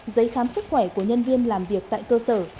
giấy khám sức khỏe của nhân viên làm việc tại cơ sở